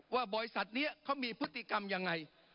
ว่าบริษัทนี้เขามีพฤติกรรมยังไง